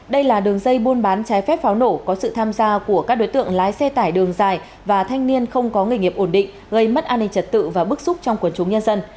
đây là đường dây buôn bán trái phép pháo nổ có sự tham gia của các đối tượng lái xe tải đường dài và thanh niên không có nghề nghiệp ổn định gây mất an ninh trật tự và bức xúc trong quần chúng nhân dân